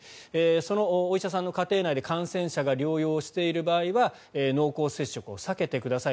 そのお医者さんの家庭内で感染者が療養している場合は濃厚接触を避けてください